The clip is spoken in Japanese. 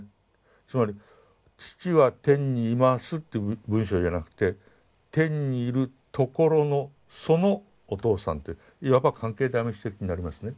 つまり「父は天にいます」って文章じゃなくて「天にいるところのそのお父さん」っていわば関係代名詞的になりますね。